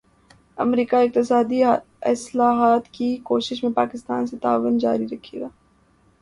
امریکا اقتصادی اصلاحات کی کوششوں میں پاکستان سے تعاون جاری رکھے گا